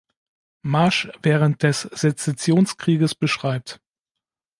March während des Sezessionskrieges beschreibt.